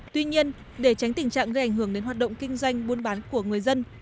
tuy nhiên để tránh tình trạng gây ảnh hưởng đến hoạt động kinh doanh buôn bán của người dân